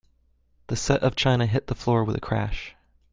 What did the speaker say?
The set of china hit the floor with a crash.